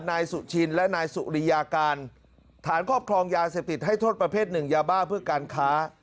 นายสุชินและนายสุริยาการฐานครอบครองยาเสพติดให้โทษประเภทหนึ่งยาบ้าเพื่อการค้า